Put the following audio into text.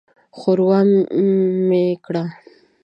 ښوروا مې کړه.